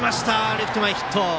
レフト前ヒット。